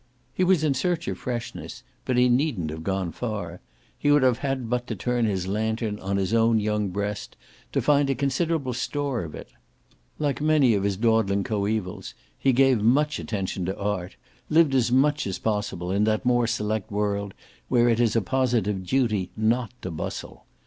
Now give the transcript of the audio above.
He was in search of freshness, but he needn't have gone far: he would have had but to turn his lantern on his own young breast to find a considerable store of it. Like many of his dawdling coaevals he gave much attention to art, lived as much as possible in that more select world where it is a positive duty not to bustle.